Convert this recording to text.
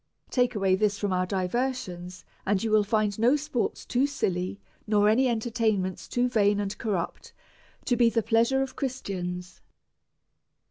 Take away this from our diversions, and you will find no sports too silly, nor any entertainments too vain and corrupt, to be the pleasure of Christians.